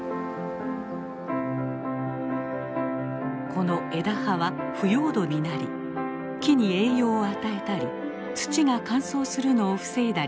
この枝葉は腐葉土になり木に栄養を与えたり土が乾燥するのを防いだりするのです。